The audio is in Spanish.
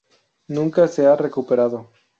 Nunca se ha recuperado.